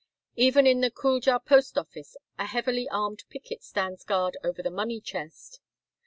Even in the Kuldja post office a heavily armed picket stands guard over the money chest.